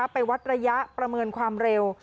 ไปวัดระยะประเมินความเร็ว